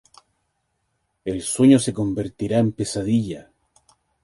El sueño se convertirá en pesadilla...